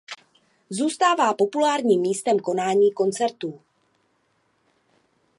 Zůstává populárním místem konání koncertů.